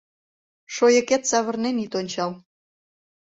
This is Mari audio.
Шойыкет савырнен ит ончал